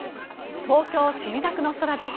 東京・墨田区の空です。